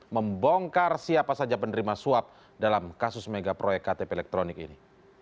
membongkar siapa saja penerima suap dalam kasus mega proyek ktp elektronik ini